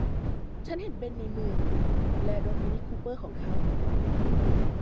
ฉันเห็นเบ็นในเมืองรถ มินิคูเปอร์ของเขา